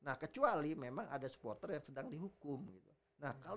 nah kecuali memang ada supporter yang sedang dihubungi dengan yang lain